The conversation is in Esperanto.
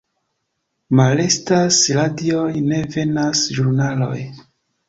Malestas radioj, ne venas ĵurnaloj.